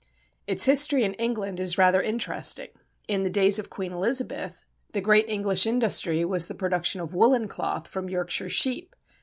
Its history in England is rather interesting. In the days of Queen Elizabeth the great English industry was the production of woollen cloth from Yorkshire sheep.